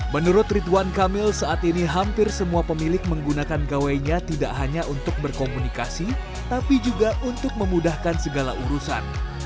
menurut ridwan kamil saat ini hampir semua pemilik menggunakan gawainya tidak hanya untuk berkomunikasi tapi juga untuk memudahkan segala urusan